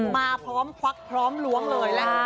มาพร้อมควักพร้อมล้วงเลยและ